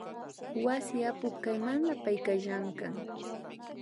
Wasi apuk kaymanta payka llankan